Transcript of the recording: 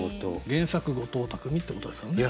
原作後藤拓実ってことですからね。